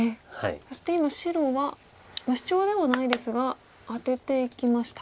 そして今白はシチョウではないですがアテていきました。